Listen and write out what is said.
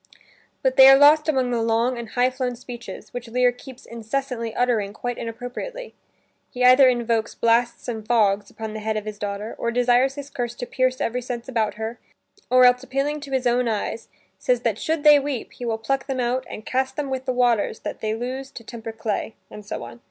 But they are lost among long and high flown speeches, which Lear keeps incessantly uttering quite inappropriately. He either invokes "blasts and fogs" upon the head of his daughter, or desires his curse to "pierce every sense about her," or else appealing to his own eyes, says that should they weep, he will pluck them out and "cast them with the waters that they lose to temper clay." And so on.